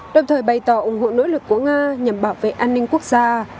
đồng thời bày tỏ ủng hộ nỗ lực của nga nhằm bảo vệ an ninh quốc gia